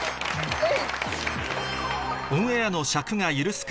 はい。